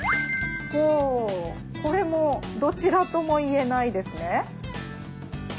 これもどちらとも言えないですね。